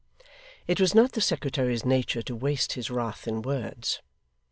It was not the secretary's nature to waste his wrath in words.